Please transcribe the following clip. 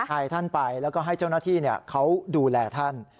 อายท่านไปแล้วก็ให้เจ้าหน้าที่เขาดูแลท่าน